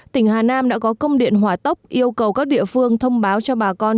tỉnh hà nam đã có công điện hỏa tốc yêu cầu các địa phương thông báo cho bà con